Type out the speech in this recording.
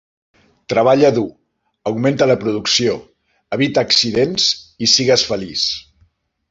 Treballa dur, augmenta la producció, evita accidents i sigues feliç.